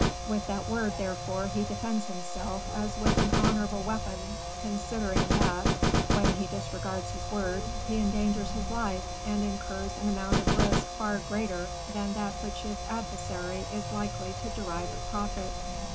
With that word, therefore, he defends himself as with an honorable weapon, considering that, when he disregards his word, he endangers his life and incurs an amount of risk far greater than that which his adversary is likely to derive of profit.